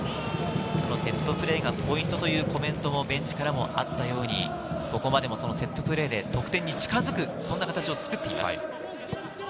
セットプレーがポイントというコメントもベンチからもあったように、ここまでもセットプレーで得点に近づく、そんな形を作っています。